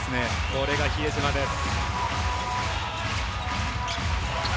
これが比江島です。